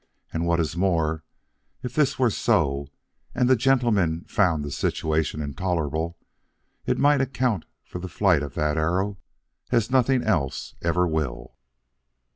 And what is more, if this were so, and the gentleman found the situation intolerable, it might account for the flight of that arrow as nothing else ever will."